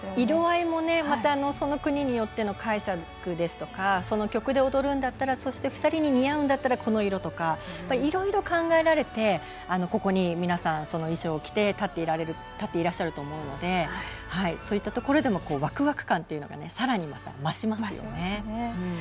色合いもその国によっての解釈ですとかその曲で踊るんだったらそして２人に似合うんだったらこの色だとかいろいろ考えられてここに皆さん、衣装を着て立っていらっしゃると思うのでそういったところでもワクワク感がさらに増しますよね。